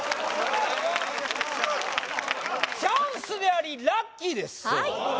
チャンスでありラッキーですはい